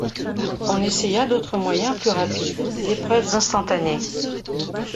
On essaya d’autres moyens plus rapides, d’épreuves instantanées.